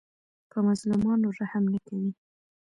په مظلومانو رحم نه کوي.